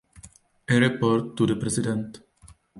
A Report to the President.